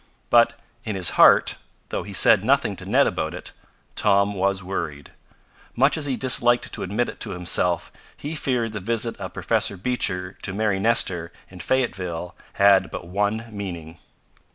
But, in his heart, though he said nothing to Ned about it, Tom was worried. Much as he disliked to admit it to himself, he feared the visit of Professor Beecher to Mary Nestor in Fayetteville had but one meaning.